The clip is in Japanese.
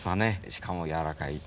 しかもやわらかい。